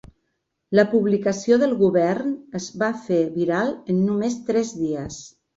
La publicació del govern es va fer viral en només tres dies.